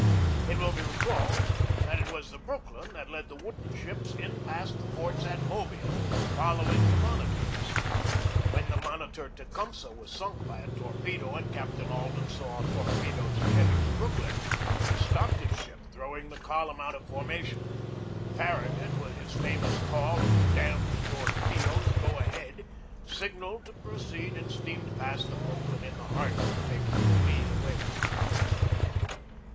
It will be recalled that it was the Brook lyn that led the wooden ships in past the forts at Mobile, following the monitors. When the monitor ON THE JAMES RIVER 117 Tecumseh was sunk by a torpedo and Captain Alden saw torpedoes ahead of the Brooklyn, he stopped his ship, throwing the column out of formation. Farra gut, with his famous call of "Damn the torpedoes! Go ahead!" signalled to proceed and steamed past the Brooklyn in the Hartford, taking the lead away from her.